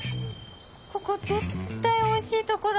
ここ絶対おいしいとこだ